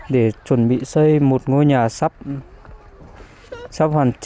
để chuẩn bị xây một ngôi nhà sắp hoàn chỉnh để chuẩn bị cho tết năm mấy này có nhà để ở